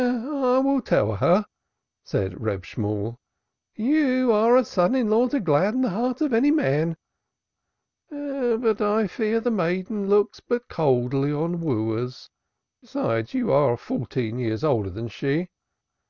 "I will tell her," said Reb Shemuel. "You are a son in law to gladden the heart of any man. But I fear the maiden looks but coldly on wooers. Besides you are fourteen years older than she."